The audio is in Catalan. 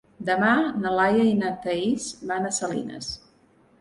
Demà na Laia i na Thaís van a Salines.